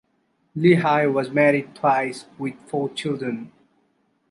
Leahy was married twice with four children.